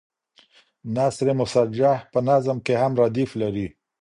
نثر مسجع په نظم کې هم ردیف لري.